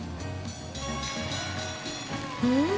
うん！